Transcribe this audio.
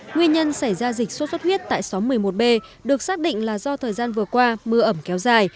nguyên nhân xảy ra dịch sốt xuất huyết tại xóm một mươi một b được xác định là do thời gian vừa qua mưa ẩm kéo dài